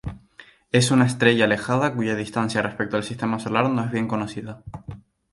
Es una estrella alejada cuya distancia respecto al Sistema Solar no es bien conocida.